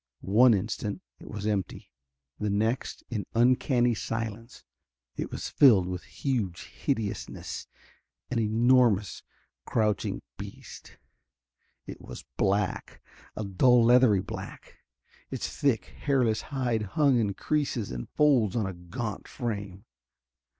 One instant it was empty; the next, in uncanny silence, it was filled with huge hideousness an enormous, crouching beast. It was black, a dull leathery black. Its thick, hairless hide hung in creases and folds on a gaunt frame.